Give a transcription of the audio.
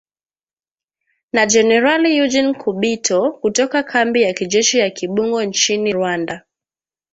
Na Generali Eugene Nkubito, kutoka kambi ya kijeshi ya Kibungo nchini Rwanda''.